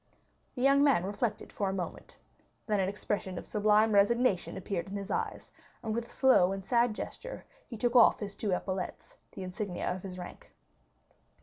The young man reflected for a moment, then an expression of sublime resignation appeared in his eyes, and with a slow and sad gesture he took off his two epaulets, the insignia of his rank.